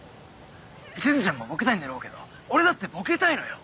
しずちゃんもボケたいんだろうけど俺だってボケたいのよ！